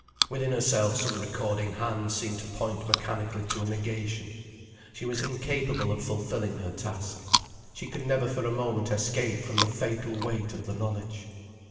Within herself some recording hand seemed to point mechanically to a negation. She was incapable of fulfilling her task. She could never for a moment escape from the fatal weight of the knowledge.